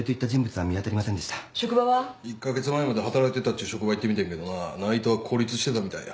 １カ月前まで働いてたっちゅう職場行ってみてんけどな内藤は孤立してたみたいや。